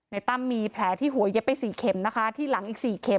ตั้มมีแผลที่หัวเย็บไป๔เข็มนะคะที่หลังอีก๔เข็ม